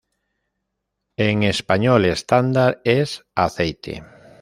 En español estándar es ‘aceite’.